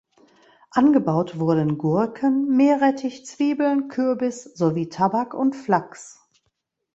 Angebaut wurden Gurken, Meerrettich, Zwiebeln, Kürbis sowie Tabak und Flachs.